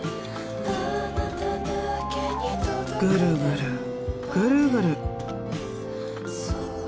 ぐるぐるぐるぐる。